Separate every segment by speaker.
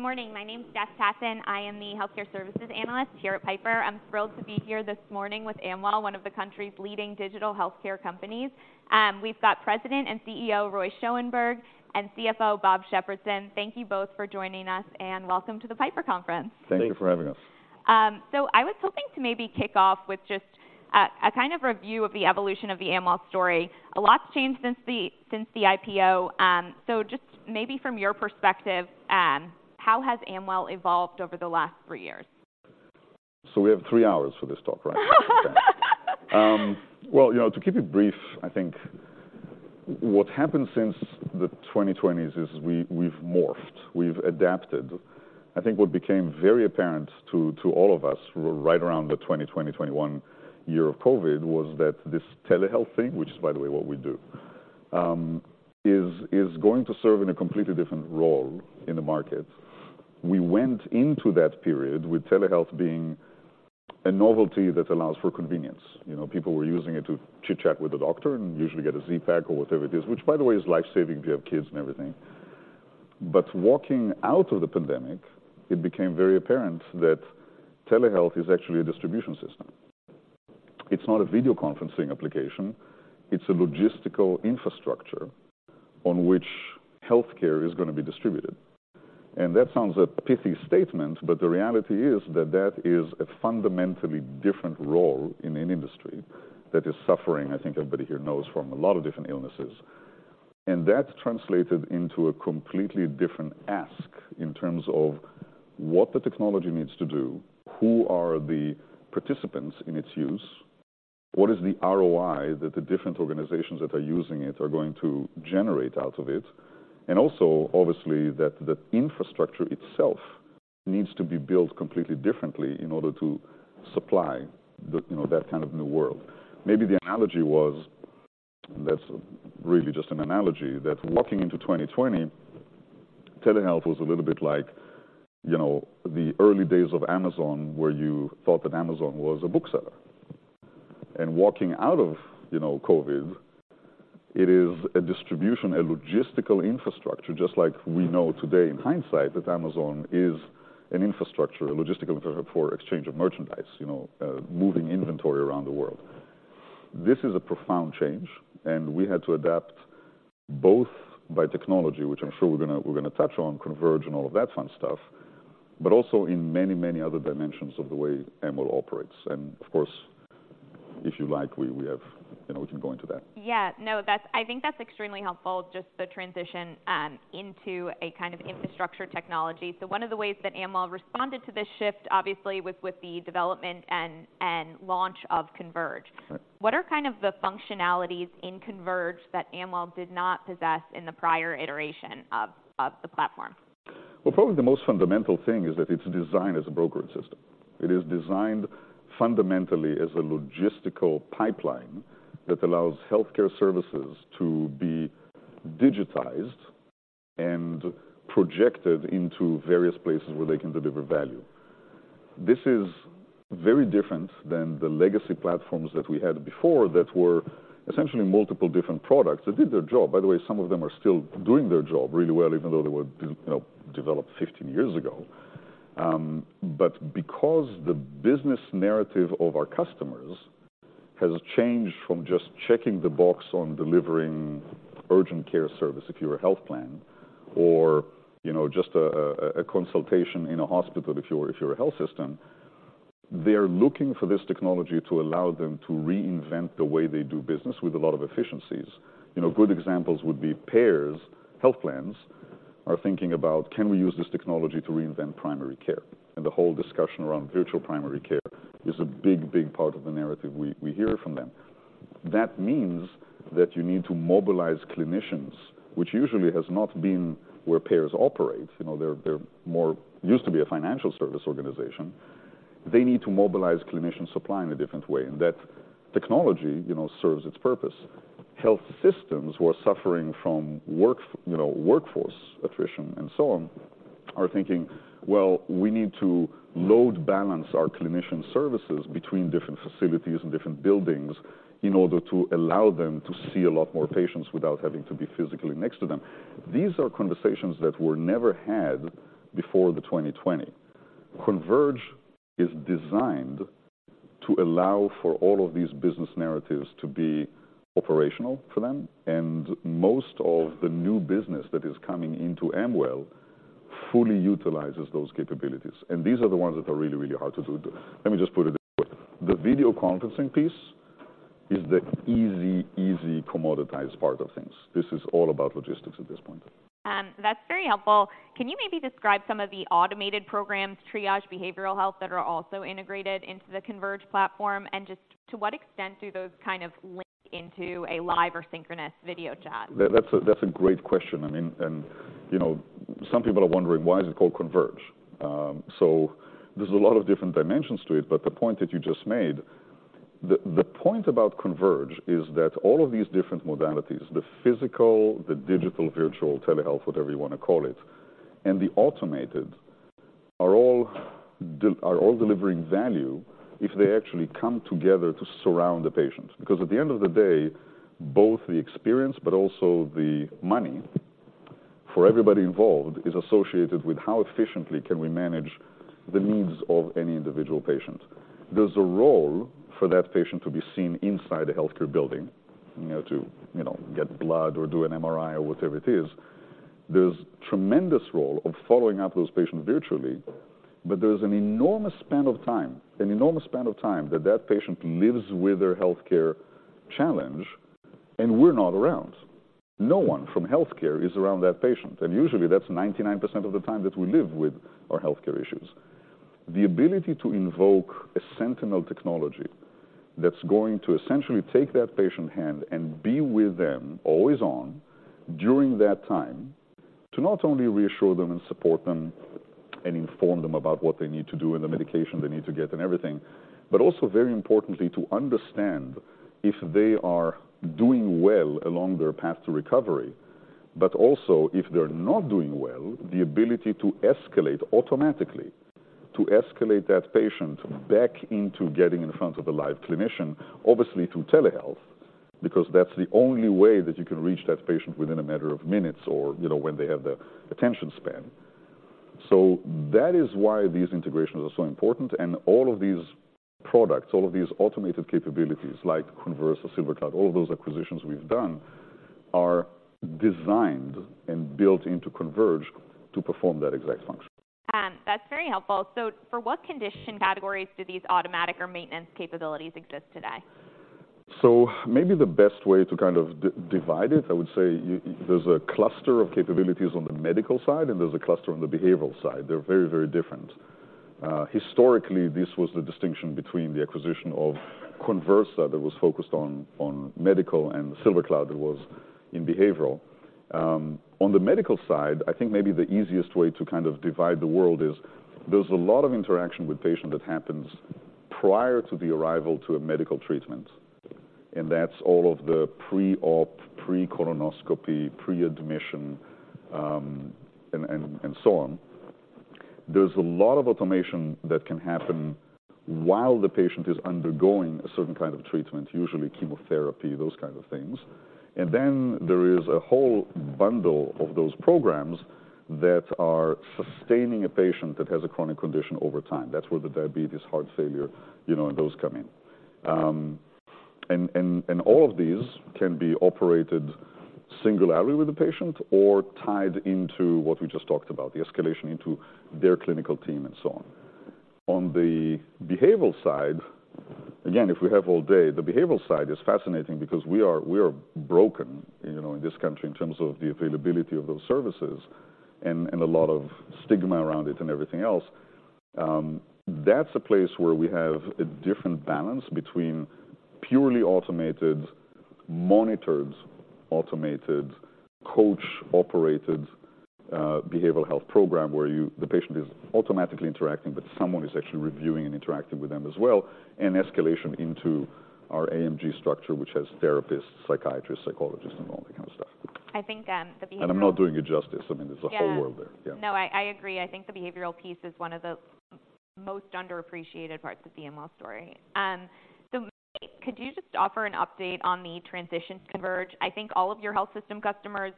Speaker 1: Good morning. My name is Jessica Tassan. I am the healthcare services analyst here at Piper. I'm thrilled to be here this morning with Amwell, one of the country's leading digital healthcare companies. We've got President and CEO, Roy Schoenberg, and CFO, Bob Shepardson. Thank you both for joining us, and welcome to the Piper Conference.
Speaker 2: Thank you.
Speaker 3: Thank you for having us.
Speaker 1: So I was hoping to maybe kick off with just a kind of review of the evolution of the Amwell story. A lot's changed since the IPO, so just maybe from your perspective, how has Amwell evolved over the last three years?
Speaker 3: So we have three hours for this talk, right? Well, you know, to keep it brief, I think what happened since the 2020s is we, we've morphed, we've adapted. I think what became very apparent to, to all of us, right around the 2020, 2021 year of COVID, was that this telehealth thing, which is, by the way, what we do, is, is going to serve in a completely different role in the market. We went into that period with telehealth being a novelty that allows for convenience. You know, people were using it to chitchat with a doctor and usually get a Z-Pak or whatever it is, which, by the way, is life-saving if you have kids and everything. But walking out of the pandemic, it became very apparent that telehealth is actually a distribution system. It's not a video conferencing application. It's a logistical infrastructure on which healthcare is gonna be distributed. That sounds a pithy statement, but the reality is that that is a fundamentally different role in an industry that is suffering, I think everybody here knows, from a lot of different illnesses. That translated into a completely different ask in terms of what the technology needs to do, who are the participants in its use, what is the ROI that the different organizations that are using it are going to generate out of it, and also, obviously, that the infrastructure itself needs to be built completely differently in order to supply the, you know, that kind of new world. Maybe the analogy was, that's really just an analogy, that walking into 2020, telehealth was a little bit like, you know, the early days of Amazon, where you thought that Amazon was a bookseller. And walking out of, you know, COVID, it is a distribution, a logistical infrastructure, just like we know today in hindsight, that Amazon is an infrastructure, a logistical for exchange of merchandise, you know, moving inventory around the world. This is a profound change, and we had to adapt both by technology, which I'm sure we're gonna, we're gonna touch on Converge and all of that fun stuff, but also in many, many other dimensions of the way Amwell operates. And of course, if you like, we, we have... You know, we can go into that.
Speaker 1: Yeah. No, that's. I think that's extremely helpful, just the transition into a kind of infrastructure technology. So one of the ways that Amwell responded to this shift, obviously, was with the development and launch of Converge.
Speaker 3: Right.
Speaker 1: What are kind of the functionalities in Converge that Amwell did not possess in the prior iteration of the platform?
Speaker 3: Well, probably the most fundamental thing is that it's designed as a brokerage system. It is designed fundamentally as a logistical pipeline that allows healthcare services to be digitized and projected into various places where they can deliver value. This is very different than the legacy platforms that we had before that were essentially multiple different products that did their job. By the way, some of them are still doing their job really well, even though they were, you know, developed 15 years ago. But because the business narrative of our customers has changed from just checking the box on delivering urgent care service, if you're a health plan, or, you know, just a consultation in a hospital, if you're a health system, they're looking for this technology to allow them to reinvent the way they do business with a lot of efficiencies. You know, good examples would be payers. Health plans are thinking about: can we use this technology to reinvent primary care? And the whole discussion around virtual primary care is a big, big part of the narrative we, we hear from them. That means that you need to mobilize clinicians, which usually has not been where payers operate. You know, they're, they're more used to be a financial service organization. They need to mobilize clinician supply in a different way, and that technology, you know, serves its purpose. Health systems who are suffering from workforce attrition and so on, are thinking, "Well, we need to load balance our clinician services between different facilities and different buildings in order to allow them to see a lot more patients without having to be physically next to them." These are conversations that were never had before 2020. Converge is designed to allow for all of these business narratives to be operational for them, and most of the new business that is coming into Amwell fully utilizes those capabilities, and these are the ones that are really, really hard to do. Let me just put it this way. The video conferencing piece is the easy, easy commoditized part of things. This is all about logistics at this point.
Speaker 1: That's very helpful. Can you maybe describe some of the automated programs, triage, behavioral health, that are also integrated into the Converge platform? Just to what extent do those kind of link into a live or synchronous video chat?
Speaker 3: That's a great question. I mean, you know, some people are wondering, why is it called Converge? So there's a lot of different dimensions to it, but the point that you just made, the point about Converge is that all of these different modalities, the physical, the digital, virtual, telehealth, whatever you wanna call it, and the automated are all delivering value if they actually come together to surround the patient. Because at the end of the day, both the experience, but also the money for everybody involved, is associated with how efficiently can we manage the needs of any individual patient. There's a role for that patient to be seen inside a healthcare building, you know, to get blood or do an MRI or whatever it is. There's a tremendous role of following up those patients virtually, but there's an enormous span of time, an enormous span of time, that that patient lives with their healthcare challenge, and we're not around. No one from healthcare is around that patient, and usually, that's 99% of the time that we live with our healthcare issues. The ability to invoke a sentinel technology that's going to essentially take that patient hand and be with them, always on, during that time, to not only reassure them and support them and inform them about what they need to do and the medication they need to get and everything, but also, very importantly, to understand if they are doing well along their path to recovery. But also, if they're not doing well, the ability to escalate automatically, to escalate that patient back into getting in front of a live clinician, obviously through telehealth, because that's the only way that you can reach that patient within a matter of minutes or, you know, when they have the attention span. So that is why these integrations are so important, and all of these products, all of these automated capabilities, like Conversa, SilverCloud, all those acquisitions we've done, are designed and built into Converge to perform that exact function.
Speaker 1: That's very helpful. So for what condition categories do these automatic or maintenance capabilities exist today?
Speaker 3: So maybe the best way to kind of divide it, I would say, there's a cluster of capabilities on the medical side, and there's a cluster on the behavioral side. They're very, very different. Historically, this was the distinction between the acquisition of Conversa, that was focused on medical, and SilverCloud, that was in behavioral. On the medical side, I think maybe the easiest way to kind of divide the world is there's a lot of interaction with patient that happens prior to the arrival to a medical treatment, and that's all of the pre-op, pre-colonoscopy, pre-admission, and so on. There's a lot of automation that can happen while the patient is undergoing a certain kind of treatment, usually chemotherapy, those kinds of things. Then there is a whole bundle of those programs that are sustaining a patient that has a chronic condition over time. That's where the diabetes, heart failure, you know, those come in. And all of these can be operated singularly with the patient or tied into what we just talked about, the escalation into their clinical team and so on. On the behavioral side, again, if we have all day, the behavioral side is fascinating because we are broken, you know, in this country in terms of the availability of those services and a lot of stigma around it and everything else. That's a place where we have a different balance between purely automated, monitored, automated, coach-operated behavioral health program, where you-- the patient is automatically interacting, but someone is actually reviewing and interacting with them as well, and escalation into our AMG structure, which has therapists, psychiatrists, psychologists, and all that kind of stuff.
Speaker 1: I think, the behavioral-
Speaker 3: I'm not doing it justice. I mean, there's a whole world there.
Speaker 1: Yeah.
Speaker 3: Yeah.
Speaker 1: No, I agree. I think the behavioral piece is one of the most underappreciated parts of the Amwell story. So could you just offer an update on the transition to Converge? I think all of your health system customers,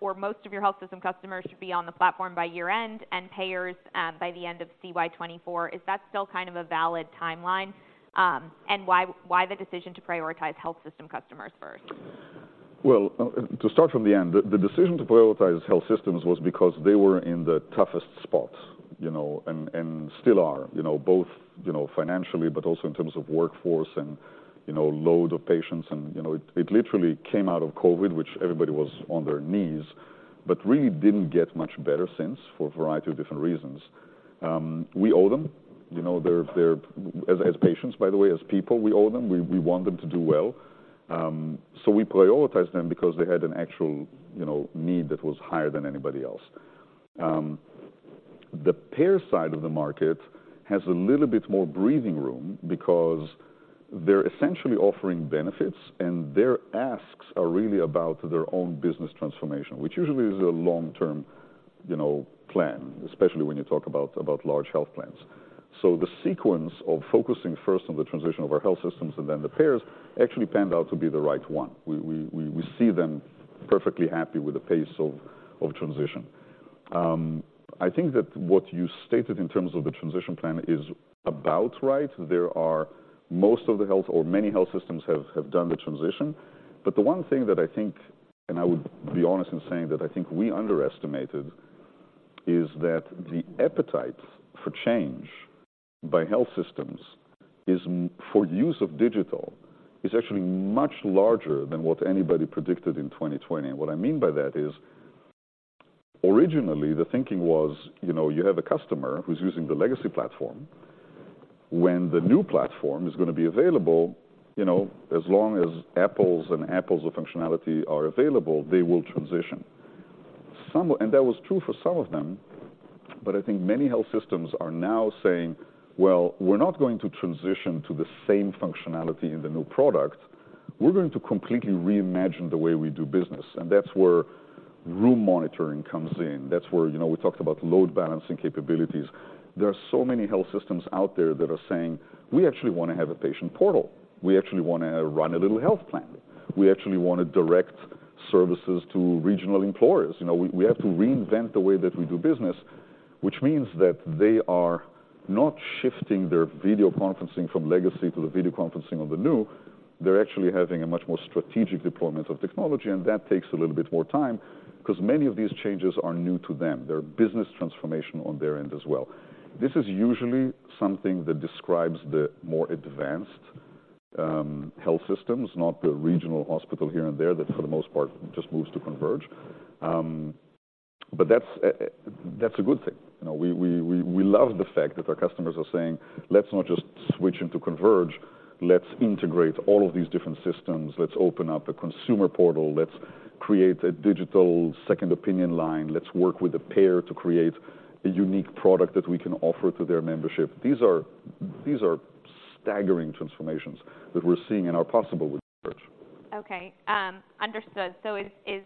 Speaker 1: or most of your health system customers, should be on the platform by year-end, and payers, by the end of CY 2024. Is that still kind of a valid timeline? And why the decision to prioritize health system customers first?
Speaker 3: Well, to start from the end, the decision to prioritize health systems was because they were in the toughest spot, you know, and still are, you know, both financially, but also in terms of workforce and, you know, load of patients. And, you know, it literally came out of COVID, which everybody was on their knees, but really didn't get much better since, for a variety of different reasons. We owe them, you know, they're. As patients, by the way, as people, we owe them. We want them to do well. So we prioritize them because they had an actual, you know, need that was higher than anybody else. The payer side of the market has a little bit more breathing room because they're essentially offering benefits, and their asks are really about their own business transformation, which usually is a long-term, you know, plan, especially when you talk about large health plans. So the sequence of focusing first on the transition of our health systems and then the payers actually panned out to be the right one. We see them perfectly happy with the pace of transition. I think that what you stated in terms of the transition plan is about right. There are most of the health or many health systems have done the transition. But the one thing that I think, and I would be honest in saying that I think we underestimated, is that the appetite for change by health systems for use of digital, is actually much larger than what anybody predicted in 2020. What I mean by that is, originally, the thinking was, you know, you have a customer who's using the legacy platform. When the new platform is gonna be available, you know, as long as apples and apples of functionality are available, they will transition. Some, and that was true for some of them, but I think many health systems are now saying, "Well, we're not going to transition to the same functionality in the new product."... We're going to completely reimagine the way we do business, and that's where room monitoring comes in. That's where, you know, we talked about load balancing capabilities. There are so many health systems out there that are saying, "We actually wanna have a patient portal. We actually wanna run a little health plan. We actually want to direct services to regional employers." You know, we have to reinvent the way that we do business, which means that they are not shifting their video conferencing from legacy to the video conferencing on the new. They're actually having a much more strategic deployment of technology, and that takes a little bit more time 'cause many of these changes are new to them. They're business transformation on their end as well. This is usually something that describes the more advanced health systems, not the regional hospital here and there, that, for the most part, just moves to Converge. But that's a good thing. You know, we love the fact that our customers are saying, "Let's not just switch into Converge. Let's integrate all of these different systems. Let's open up a consumer portal. Let's create a digital second opinion line. Let's work with a payer to create a unique product that we can offer to their membership." These are staggering transformations that we're seeing and are possible with Converge.
Speaker 1: Okay, understood. So is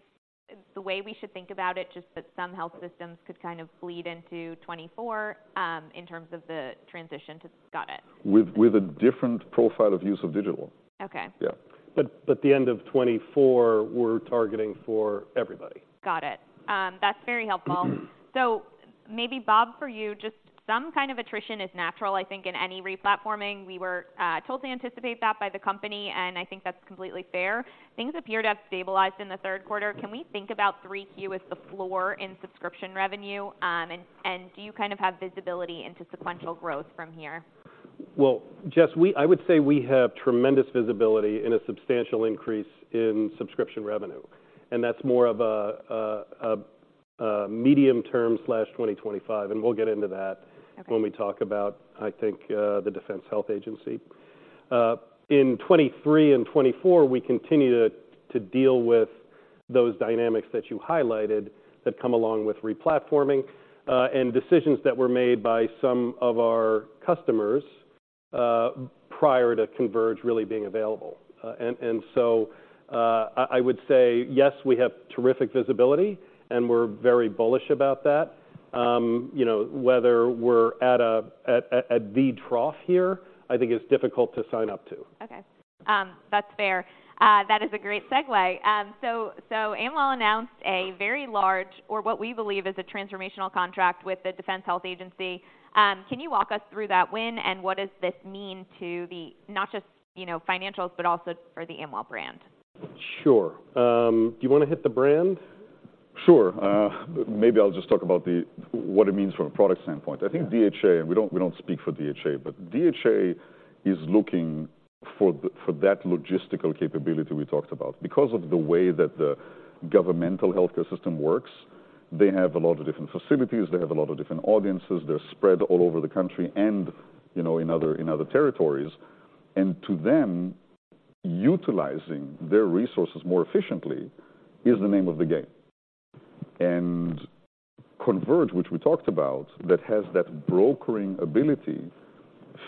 Speaker 1: the way we should think about it just that some health systems could kind of bleed into 2024, in terms of the transition to... Got it.
Speaker 3: With a different profile of use of digital.
Speaker 1: Okay.
Speaker 3: Yeah.
Speaker 2: But by the end of 2024, we're targeting for everybody.
Speaker 1: Got it. That's very helpful. So maybe, Bob, for you, just some kind of attrition is natural, I think, in any replatforming. We were told to anticipate that by the company, and I think that's completely fair. Things appear to have stabilized in the third quarter. Can we think about 3Q as the floor in subscription revenue? And, and do you kind of have visibility into sequential growth from here?
Speaker 2: Well, Jess, I would say we have tremendous visibility and a substantial increase in subscription revenue, and that's more of a medium-term slash 2025, and we'll get into that-
Speaker 1: Okay. ...
Speaker 2: when we talk about, I think, the Defense Health Agency. In 2023 and 2024, we continue to deal with those dynamics that you highlighted that come along with replatforming, and decisions that were made by some of our customers, prior to Converge really being available. And so, I would say, yes, we have terrific visibility, and we're very bullish about that. You know, whether we're at the trough here, I think it's difficult to sign up to.
Speaker 1: Okay, that's fair. That is a great segue. So, so Amwell announced a very large or what we believe is a transformational contract with the Defense Health Agency. Can you walk us through that win, and what does this mean to the... not just, you know, financials, but also for the Amwell brand?
Speaker 2: Sure. Do you wanna hit the brand?
Speaker 3: Sure. Maybe I'll just talk about what it means from a product standpoint.
Speaker 2: Yeah.
Speaker 3: I think DHA, and we don't, we don't speak for DHA, but DHA is looking for the, for that logistical capability we talked about. Because of the way that the governmental healthcare system works, they have a lot of different facilities, they have a lot of different audiences, they're spread all over the country and, you know, in other, in other territories. And to them, utilizing their resources more efficiently is the name of the game. And Converge, which we talked about, that has that brokering ability,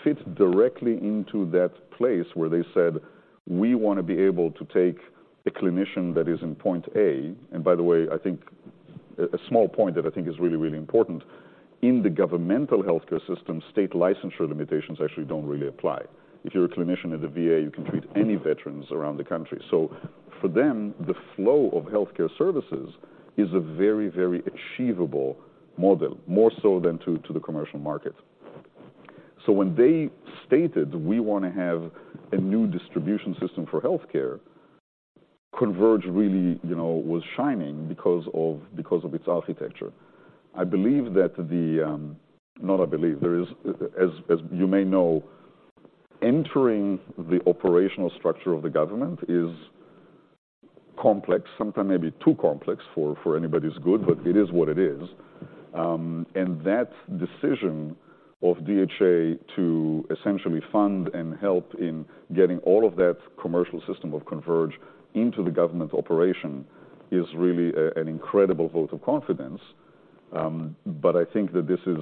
Speaker 3: fit directly into that place where they said, "We wanna be able to take a clinician that is in point A-" And by the way, I think a, a small point that I think is really, really important, in the governmental healthcare system, state licensure limitations actually don't really apply. If you're a clinician at the VA, you can treat any veterans around the country. So for them, the flow of healthcare services is a very, very achievable model, more so than to the commercial market. So when they stated, "We wanna have a new distribution system for healthcare," Converge really, you know, was shining because of its architecture. I believe that the... Not I believe, there is, as you may know, entering the operational structure of the government is complex, sometimes maybe too complex for anybody's good, but it is what it is. And that decision of DHA to essentially fund and help in getting all of that commercial system of Converge into the government operation is really an incredible vote of confidence. But I think that this is,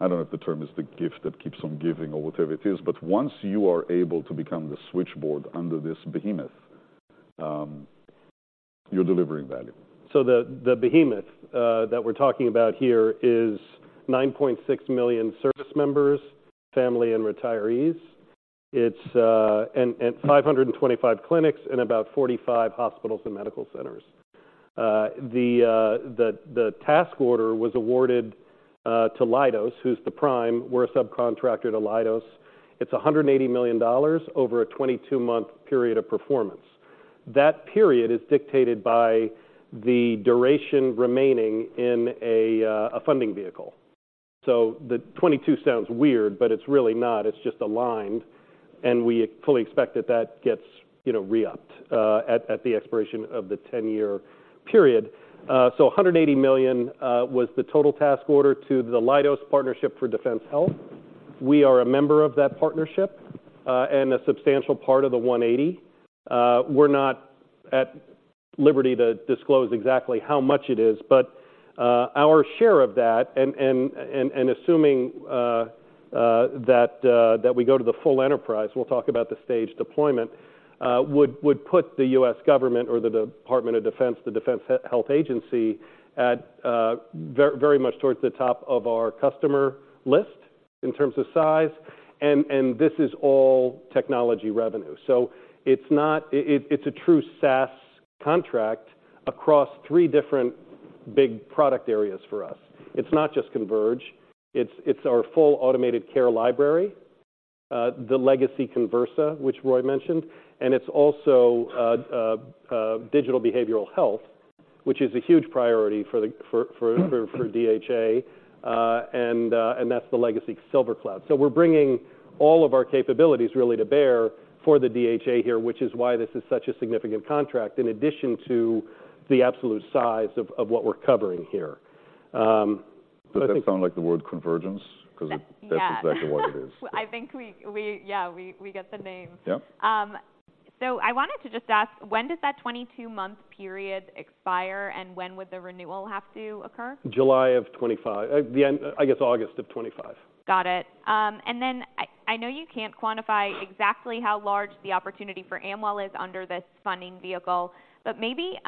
Speaker 3: I don't know if the term is the gift that keeps on giving or whatever it is, but once you are able to become the switchboard under this behemoth, you're delivering value.
Speaker 2: So the behemoth that we're talking about here is 9.6 million service members, family and retirees. It's 525 clinics and about 45 hospitals and medical centers. The task order was awarded to Leidos, who's the prime. We're a subcontractor to Leidos. It's $180 million over a 22-month period of performance. That period is dictated by the duration remaining in a funding vehicle. So the 22 sounds weird, but it's really not. It's just aligned, and we fully expect that that gets, you know, re-upped at the expiration of the 10-year period. So $180 million was the total task order to the Leidos Partnership for Defense Health. We are a member of that partnership, and a substantial part of the one eighty. We're not at liberty to disclose exactly how much it is, but our share of that and assuming that we go to the full enterprise, we'll talk about the stage deployment, would put the US government or the Department of Defense, the Defense Health Agency, very much towards the top of our customer list in terms of size, and this is all technology revenue. So it's not it, it's a true SaaS contract across three different big product areas for us. It's not just Converge, it's our full automated care library, the legacy Conversa, which Roy mentioned, and it's also digital behavioral health, which is a huge priority for the DHA, and that's the legacy SilverCloud. So we're bringing all of our capabilities really to bear for the DHA here, which is why this is such a significant contract, in addition to the absolute size of what we're covering here. But I think-
Speaker 3: Does that sound like the word convergence?
Speaker 1: That-
Speaker 3: 'Cause that's-
Speaker 1: Yeah
Speaker 3: exactly what it is.
Speaker 1: I think we get the name.
Speaker 3: Yep.
Speaker 1: So I wanted to just ask, when does that 22-month period expire, and when would the renewal have to occur?
Speaker 2: July of 2025. The end, I guess, August of 2025.
Speaker 1: Got it. And then I know you can't quantify exactly how large the opportunity for Amwell is under this funding vehicle, but maybe,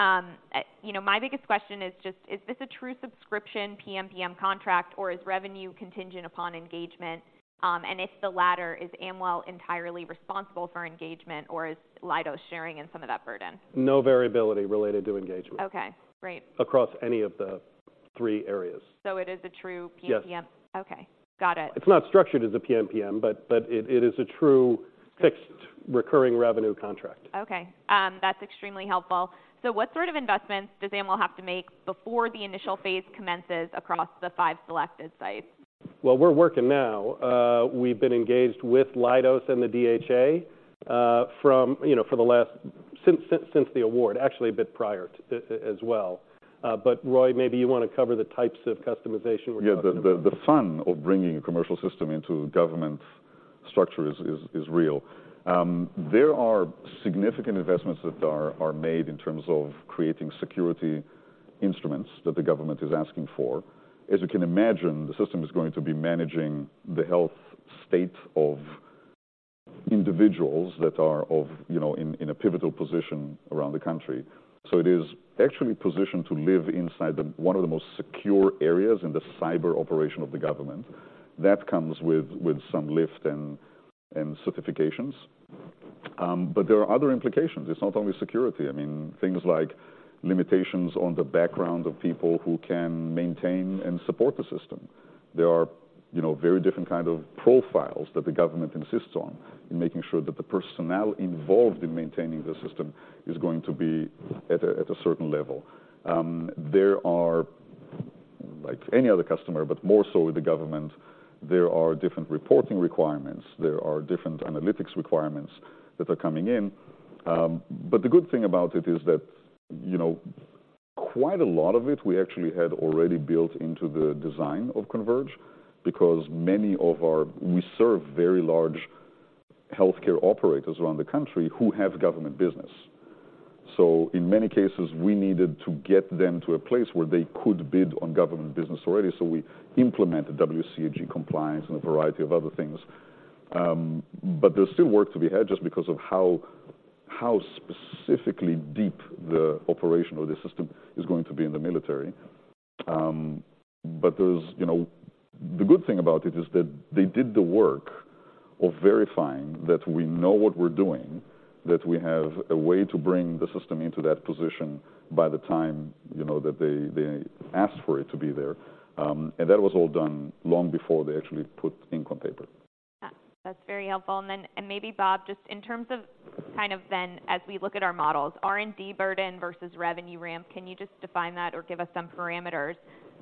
Speaker 1: you know, my biggest question is just, is this a true subscription PMPM contract, or is revenue contingent upon engagement? And if the latter, is Amwell entirely responsible for engagement, or is Leidos sharing in some of that burden?
Speaker 2: No variability related to engagement.
Speaker 1: Okay, great.
Speaker 2: Across any of the three areas.
Speaker 1: So it is a true PMPM?
Speaker 2: Yes.
Speaker 1: Okay, got it.
Speaker 2: It's not structured as a PMPM, but it is a true fixed recurring revenue contract.
Speaker 1: Okay. That's extremely helpful. So what sort of investments does Amwell have to make before the initial phase commences across the five selected sites?
Speaker 2: Well, we're working now. We've been engaged with Leidos and the DHA, from, you know, for the last—since the award, actually a bit prior to as well. But, Roy, maybe you want to cover the types of customization we're talking about.
Speaker 3: Yeah. The fun of bringing a commercial system into government structure is real. There are significant investments that are made in terms of creating security instruments that the government is asking for. As you can imagine, the system is going to be managing the health state of individuals that are of, you know, in a pivotal position around the country. So it is actually positioned to live inside one of the most secure areas in the cyber operation of the government. That comes with some lift and certifications. But there are other implications. It's not only security. I mean, things like limitations on the background of people who can maintain and support the system. There are, you know, very different kind of profiles that the government insists on in making sure that the personnel involved in maintaining the system is going to be at a certain level. There are, like any other customer, but more so with the government, there are different reporting requirements, there are different analytics requirements that are coming in. But the good thing about it is that, you know, quite a lot of it, we actually had already built into the design of Converge, because many of our, we serve very large healthcare operators around the country who have government business. So in many cases, we needed to get them to a place where they could bid on government business already, so we implemented WCAG compliance and a variety of other things. But there's still work to be had just because of how specifically deep the operation or the system is going to be in the military. But there's, you know... The good thing about it is that they did the work of verifying that we know what we're doing, that we have a way to bring the system into that position by the time, you know, that they asked for it to be there. And that was all done long before they actually put ink on paper.
Speaker 1: Yeah, that's very helpful. And then, maybe, Bob, just in terms of kind of then, as we look at our models, R&D burden versus revenue ramp, can you just define that or give us some parameters?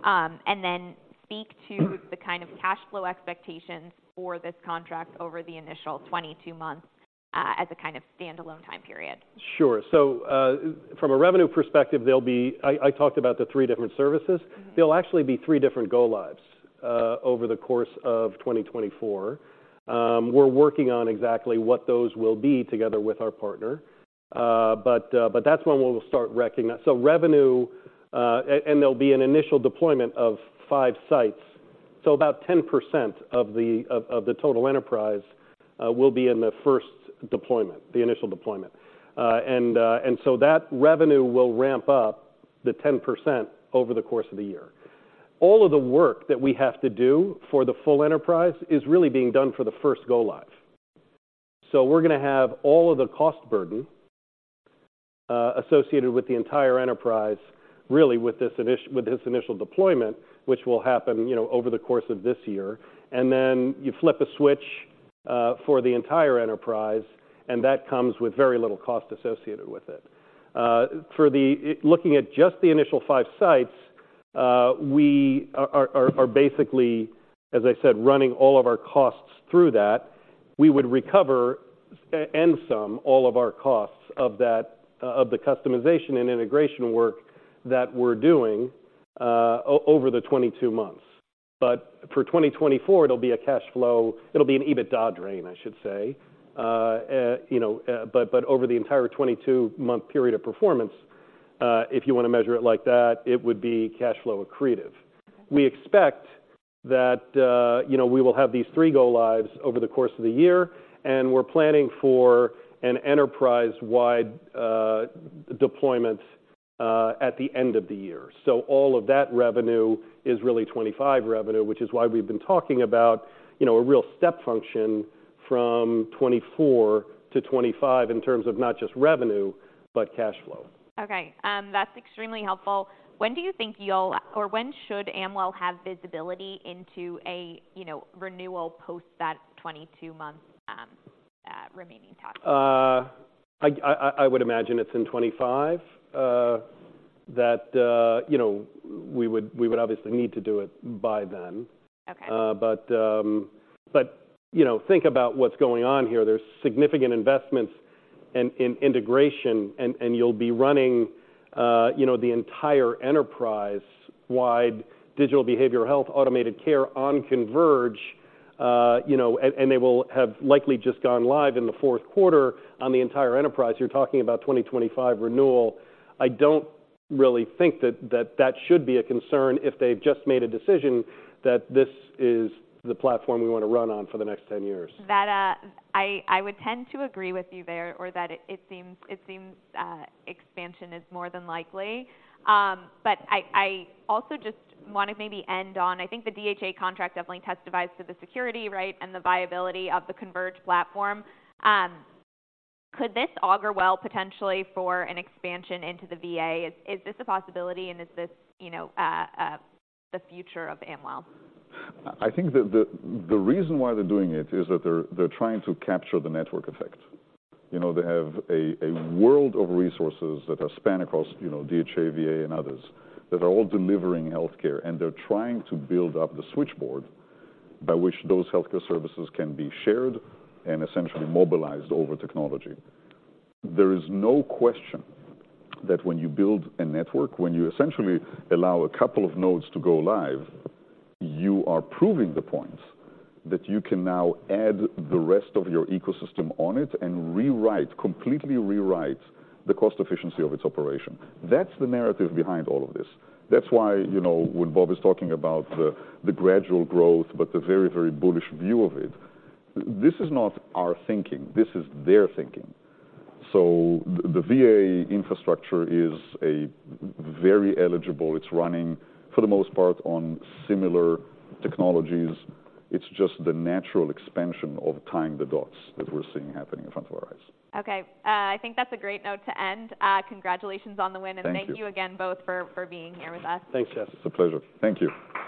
Speaker 1: And then speak to the kind of cash flow expectations for this contract over the initial 22 months, as a kind of standalone time period.
Speaker 2: Sure. So, from a revenue perspective, there'll be... I talked about the three different services.
Speaker 1: Mm-hmm.
Speaker 2: There'll actually be three different go-lives over the course of 2024. We're working on exactly what those will be together with our partner. But that's when we'll start recognizing... So revenue, and there'll be an initial deployment of five sites, so about 10% of the total enterprise will be in the first deployment, the initial deployment. And so that revenue will ramp up the 10% over the course of the year. All of the work that we have to do for the full enterprise is really being done for the first go-live. So we're gonna have all of the cost burden associated with the entire enterprise, really with this initial deployment, which will happen, you know, over the course of this year. Then you flip a switch for the entire enterprise, and that comes with very little cost associated with it. For the initial five sites, we are basically, as I said, running all of our costs through that. We would recover and some all of our costs of that of the customization and integration work that we're doing over the 22 months, but for 2024, it'll be a cash flow. It'll be an EBITDA drain, I should say. You know, but over the entire 22-month period of performance, if you want to measure it like that, it would be cash flow accretive. We expect that, you know, we will have these three go lives over the course of the year, and we're planning for an enterprise-wide, deployment, at the end of the year. So all of that revenue is really 25 revenue, which is why we've been talking about, you know, a real step function from 2024 to 2025 in terms of not just revenue, but cash flow.
Speaker 1: Okay, that's extremely helpful. When do you think you'll- or when should Amwell have visibility into a, you know, renewal post that 22-month remaining task?
Speaker 2: I would imagine it's in 2025, you know, we would obviously need to do it by then.
Speaker 1: Okay.
Speaker 2: But, you know, think about what's going on here. There's significant investments in integration, and you'll be running, you know, the entire enterprise-wide digital behavioral health, automated care on Converge, you know, and they will have likely just gone live in the fourth quarter on the entire enterprise. You're talking about 2025 renewal. I don't really think that should be a concern if they've just made a decision that this is the platform we want to run on for the next 10 years.
Speaker 1: That, I would tend to agree with you there, or that it seems expansion is more than likely. But I also just want to maybe end on... I think the DHA contract definitely testifies to the security, right, and the viability of the Converge platform. Could this augur well, potentially for an expansion into the VA? Is this a possibility, and is this, you know, the future of Amwell?
Speaker 3: I think that the reason why they're doing it is that they're trying to capture the network effect. You know, they have a world of resources that are span across, you know, DHA, VA, and others, that are all delivering healthcare, and they're trying to build up the switchboard by which those healthcare services can be shared and essentially mobilized over technology. There is no question that when you build a network, when you essentially allow a couple of nodes to go live, you are proving the point that you can now add the rest of your ecosystem on it and rewrite, completely rewrite, the cost efficiency of its operation. That's the narrative behind all of this. That's why, you know, when Bob is talking about the gradual growth, but the very, very bullish view of it, this is not our thinking. This is their thinking. The VA infrastructure is a very eligible. It's running, for the most part, on similar technologies. It's just the natural expansion of tying the dots that we're seeing happening in front of our eyes.
Speaker 1: Okay, I think that's a great note to end. Congratulations on the win-
Speaker 3: Thank you.
Speaker 1: And thank you again both for being here with us.
Speaker 2: Thanks, Jess.
Speaker 3: It's a pleasure. Thank you.